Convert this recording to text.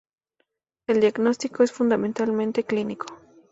El diagnóstico es fundamentalmente clínico.